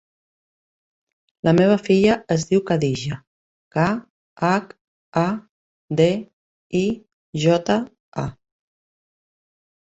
La meva filla es diu Khadija: ca, hac, a, de, i, jota, a.